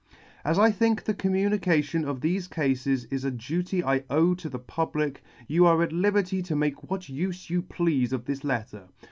" As 1 think the communication of thefe Cafes is a duty I owe to the Public, you are at liberty to make what ufe you pleafe of this letter.